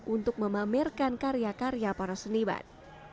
untuk memamerkan karya karya para seniman